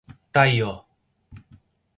Taió